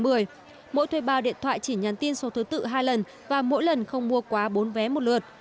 mỗi thuê bao điện thoại chỉ nhắn tin số thứ tự hai lần và mỗi lần không mua quá bốn vé một lượt